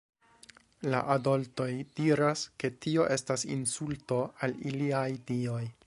La adoltoj diras, ke tio estas insulto al iliaj dioj.